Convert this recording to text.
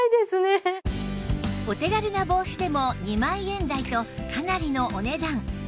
お手軽な帽子でも２万円台とかなりのお値段